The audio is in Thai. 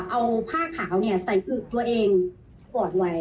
เอาผ้าขาวใส่อึกตัวเองกอดไว้